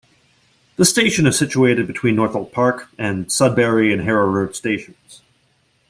The station is situated between Northolt Park and Sudbury and Harrow Road stations.